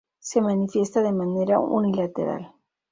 Se manifiesta de manera unilateral.